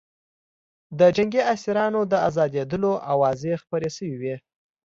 د جنګي اسیرانو د ازادېدلو اوازې خپرې شوې وې